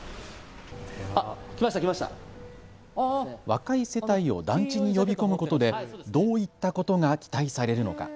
若い世帯を団地に呼び込むことでどういったことが期待されるのか。